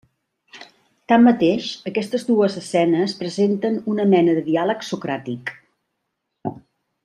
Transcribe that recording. Tanmateix, aquestes dues escenes presenten una mena de diàleg socràtic.